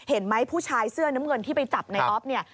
เห็นไหมผู้ชายเสื้อน้ำเงินที่ไปจับในออฟเนี่ย